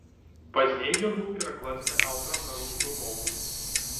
Пазней ён быў перакладзены аўтарам на рускую мову.